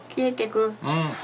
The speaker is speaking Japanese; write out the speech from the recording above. うん。